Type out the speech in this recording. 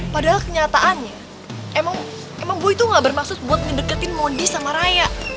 padahal kenyataannya emang gue itu gak bermaksud buat ngedeketin mondi sama raya